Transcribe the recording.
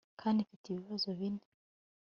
kandi mfite ibibaho bine